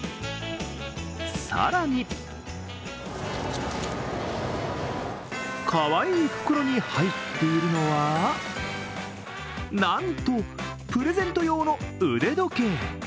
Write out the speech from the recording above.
更に、かわいい袋に入っているのはなんと、プレゼント用の腕時計。